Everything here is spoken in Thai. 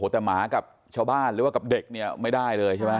แต่หมากับชาวบ้านหรือว่ากับเด็กเนี่ยไม่ได้เลยใช่ไหม